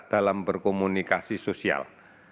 dalam berkomunikasi sosial